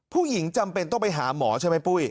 จำเป็นต้องไปหาหมอใช่ไหมปุ้ย